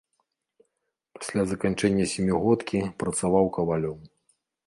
Пасля заканчэння сямігодкі працаваў кавалём.